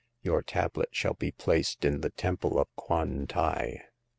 Your tablet shall be placed in the temple of Kwan tai."